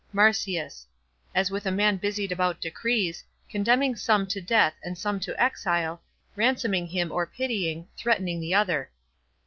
MARCIUS.—As with a man busied about decrees, Condemning some to death and some to exile, Ransoming him or pitying, threatening the other.